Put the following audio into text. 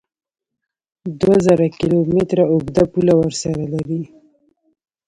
دوه زره کیلو متره اوږده پوله ورسره لري